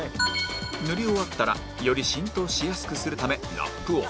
塗り終わったらより浸透しやすくするためラップを